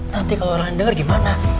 nanti kalau orang dengar gimana